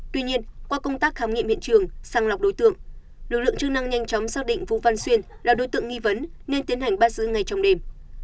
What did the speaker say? tuy nhiên qua công tác khám nghiệm hiện trường sàng lọc đối tượng lực lượng chức năng nhanh chóng xác định vũ văn xuyên là đối tượng nghi vấn nên tiến hành bắt giữ ngay trong đêm